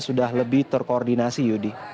sudah lebih terkoordinasi